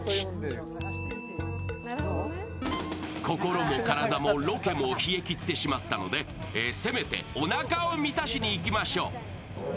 心も体もロケで冷えきってしまったのでせめて、おなかを満たしに行きましょう。